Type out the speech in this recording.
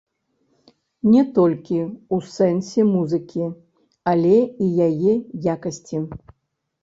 Не толькі у сэнсе музыкі, але і яе якасці.